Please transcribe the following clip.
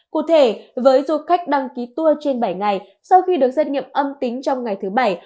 cụ thể với du khách đăng ký tour trên bảy ngày sau khi được xét nghiệm âm tính trong ngày thứ bảy